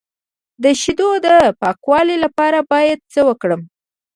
د شیدو د پاکوالي لپاره باید څه وکړم؟